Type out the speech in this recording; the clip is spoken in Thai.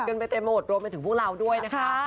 กันไปเต็มหมดรวมไปถึงพวกเราด้วยนะคะ